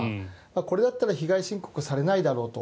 これだったら被害申告されないだろうと。